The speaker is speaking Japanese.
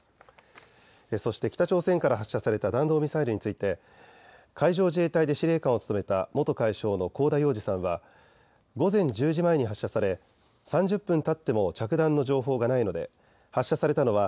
そして北朝鮮から発射された弾道ミサイルについて海上自衛隊で司令官を務めた元海将の香田洋二さんは午前１０時前に発射され３０分たっても着弾の情報がないので発射されたのは